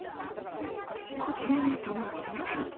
こちらがその物語。